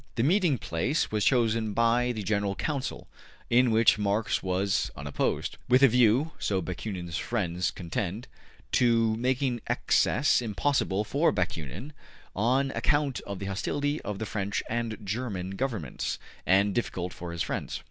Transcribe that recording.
The meeting place was chosen by the General Council (in which Marx was unopposed), with a view so Bakunin's friends contend to making access impossible for Bakunin (on account of the hostility of the French and German governments) and difficult for his friends.